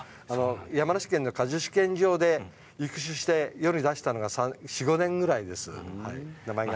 山梨県の果樹試験場で育種して世に出したのが４、５年ぐらいです。